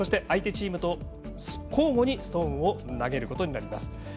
相手チームと交互にストーンを投げることになります。